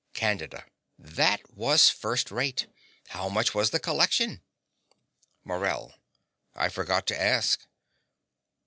CANDIDA. That was first rate! How much was the collection? MORELL. I forgot to ask.